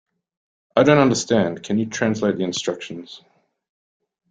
I don't understand; can you translate the instructions?